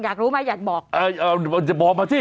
ยำผักกูตยำไข่เยี่ยวมะและไฮไลท์ก็คือปลาแซลม่อนจิ้มวาซาบี